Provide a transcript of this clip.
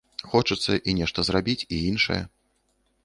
Хочацца і нешта зрабіць, і іншае.